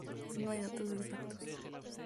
No hay datos exactos.